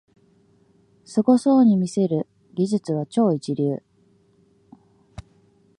すごそうに見せる技術は超一流